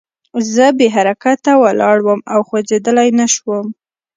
زه بې حرکته ولاړ وم او خوځېدلی نه شوم